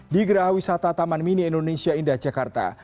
di geraha wisata taman mini indonesia indah jakarta